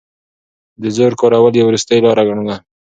د زور کارول يې وروستۍ لاره ګڼله.